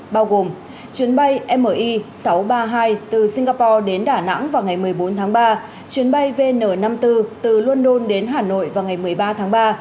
bao gồm chuyến bay mi sáu trăm ba mươi hai từ singapore đến đà nẵng vào ngày một mươi bốn tháng ba chuyến bay vn năm mươi bốn từ london đến hà nội vào ngày một mươi ba tháng ba